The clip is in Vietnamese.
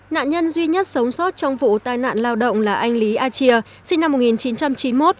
nạn nhân duy nhất sống sót trong vụ tai nạn lao động là anh lý a chia sinh năm một nghìn chín trăm chín mươi một